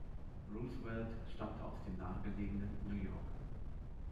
Roosevelt stammte aus dem nahegelegen New York.